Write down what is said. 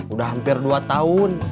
udah hampir dua tahun